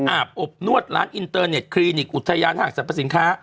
อาบอบนวดร้านอินเตอร์เน็ตคลินิกอุทยานห้างสรรพสินค้า